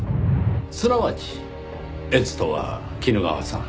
すなわち「えつ」とは衣川さん